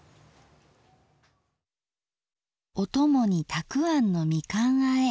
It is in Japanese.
おともにたくあんのみかんあえ。